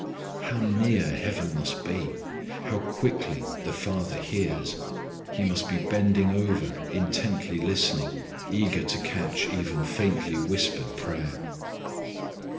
How near heaven must be! How quickly the Father hears! He must be bending over, intently listening, eager to catch even faintly whispered prayer.